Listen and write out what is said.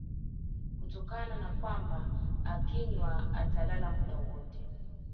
kutokana na kwamba akinywa atalala muda wote